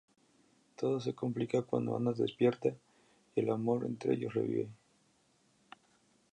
Todo se complica cuando Ana despierta y el amor entre ellos revive.